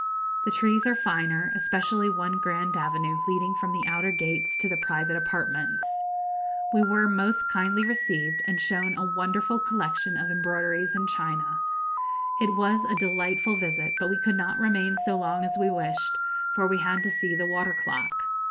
The trees are finer, especially one grand avenue leading from the outer gates to the private apartments. We were most kindly received, and shown a wonderful collection of embroideries and china. It was a delightful visit, but we could not remain so long as we wished, for we had to see the water clock.